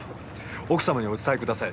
奥様にお伝えください。